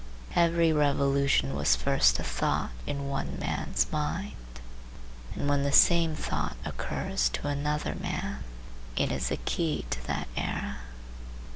Every revolution was first a thought in one man's mind, and when the same thought occurs to another man, it is the key to that era.